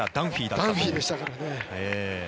ダンフィーでしたからね。